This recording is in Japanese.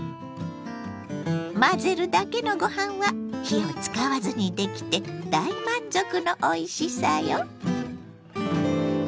混ぜるだけのご飯は火を使わずにできて大満足のおいしさよ。